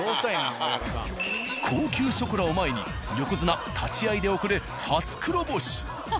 高級ショコラを前に横綱立ち合いで遅れ初黒星。